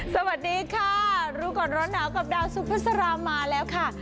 สวัสดีค่ะรู้ก่อนร้อนหนาวกับดาวสุภาษามาแล้วค่ะ